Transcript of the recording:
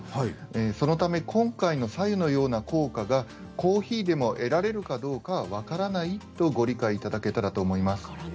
そのため今回の白湯のような効果がコーヒーでも得られるかどうかは分からないとご理解ください。